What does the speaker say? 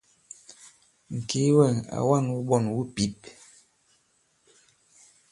Ŋ̀kìi wɛ̂ŋ à wa᷇n wuɓɔn wu pǐp.